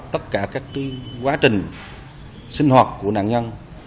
tất cả các quá trình sinh hoạt của nạn nhân